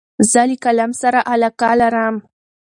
زه له قلم سره علاقه لرم.